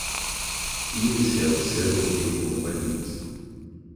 He has held several papal appointments.